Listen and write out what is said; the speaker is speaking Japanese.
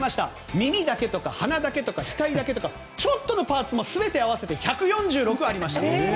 耳とか鼻とか、額だけとかちょっとのパーツも全て合わせて１４６ありました。